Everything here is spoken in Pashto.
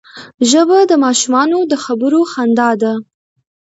ژبه د ماشومانو د خبرو خندا ده